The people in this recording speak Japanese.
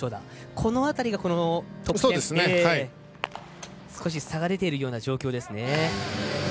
この辺りが得点に差が出ているような状況ですね。